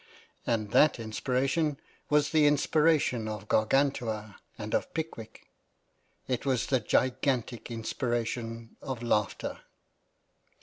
And that inspiration was the inspiration of Gargantua and of Pickwick ; it was the gigantic inspiration of laughter.